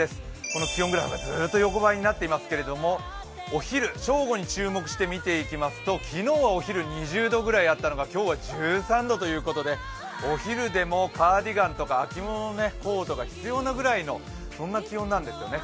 この気温グラフがずっと横ばいになっていますけれどもお昼、正午に注目して見ていきますと昨日はお昼２０度ぐらいあったのが今日は１３度ということでお昼でもカーディガンとか秋物のコートが必要なくらいの気温なんですよね。